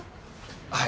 はい。